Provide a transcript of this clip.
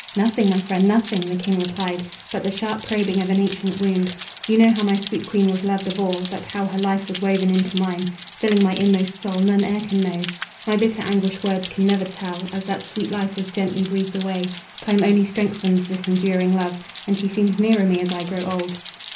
"Nothing, my friend, nothing," the king replied, "But the sharp probing of an ancient wound. You know how my sweet queen was loved of all But how her life was woven into mine, Filling my inmost soul, none e'er can know. My bitter anguish words can never tell, As that sweet life was gently breathed away. Time only strengthens this enduring love, And she seems nearer me as I grow old.